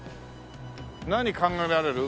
何考えられる？